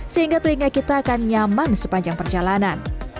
sehingga telinga kita akan nyaman sepanjang perjalanan